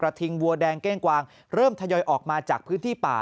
ทิงวัวแดงเก้งกวางเริ่มทยอยออกมาจากพื้นที่ป่า